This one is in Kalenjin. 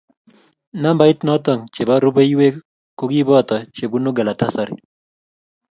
Nambarit noto che bo rubeiweek ko kiboto che bunuu Galatasaray.